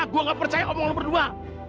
saya tidak percaya ngomong sama kamu berdua